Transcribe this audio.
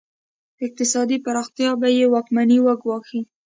اقتصادي پراختیا به یې واکمني وګواښي.